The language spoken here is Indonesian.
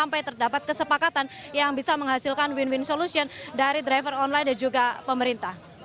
sampai terdapat kesepakatan yang bisa menghasilkan win win solution dari driver online dan juga pemerintah